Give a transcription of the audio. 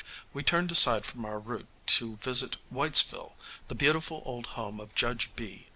We turned aside from our route to visit Whitesville, the beautiful old home of Judge B